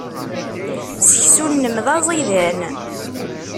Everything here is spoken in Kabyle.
Seksu-nnem d aẓidan.